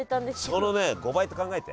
そのね５倍と考えて。